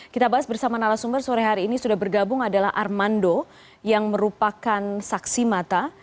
kita bahas bersama narasumber sore hari ini sudah bergabung adalah armando yang merupakan saksi mata